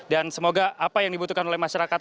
dan semoga apa yang dibutuhkan oleh masyarakat